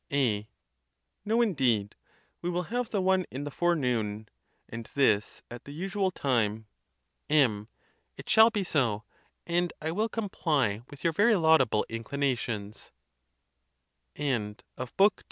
A. No, indeed; we will have the one in the forenoon, and this at the usual time. M. It shall be so, and I will comply with your very lauda